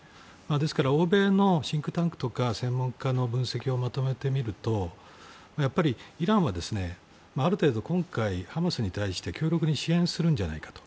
ですから、欧米のシンクタンクや専門家の分析をまとめてみるとイランはある程度、今回ハマスに対して強力に支援するのではないかと。